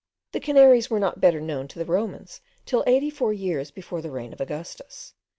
The Canaries were not better known to the Romans till eighty four years before the reign of Augustus.